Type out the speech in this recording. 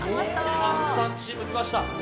ごはんさんチーム来ました。